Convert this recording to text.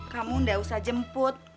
kamu nggak usah jemput